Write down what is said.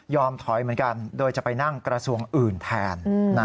ถอยเหมือนกันโดยจะไปนั่งกระทรวงอื่นแทน